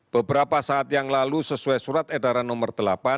beberapa saat yang lalu sesuai surat edaran nomor delapan